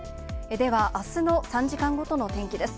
ではあすの３時間ごとの天気です。